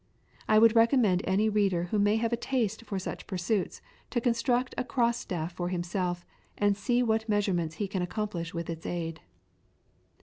I would recommend any reader who may have a taste for such pursuits to construct a cross staff for himself, and see what measurements he can accomplish with its aid.